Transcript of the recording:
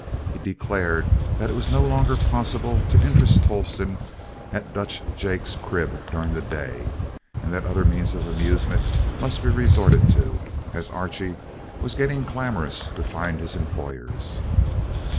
He declared that it was no longer possible to interest Tolleston at Dutch Jake's crib during the day, and that other means of amusement must be resorted to, as Archie was getting clamorous to find his employers.